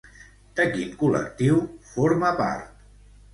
De quin col·lectiu forma part?